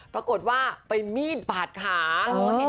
ปรากฏว่าไปมีดบาดขา